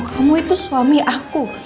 kamu itu suami aku